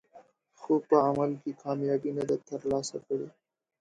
خو په عمل کې کامیابي نه ده ترلاسه کړې.